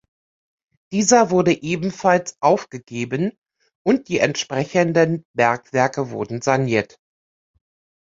Dieser wurde ebenfalls aufgegeben und die entsprechenden Bergwerke wurden saniert.